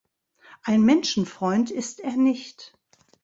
Ein Menschenfreund ist er nicht.